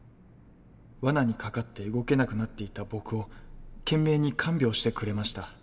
わなに掛かって動けなくなっていた僕を懸命に看病してくれました。